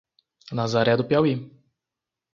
Nazaré do Piauí